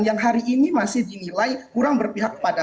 yang hari ini masih dinilai kurang berpihak pada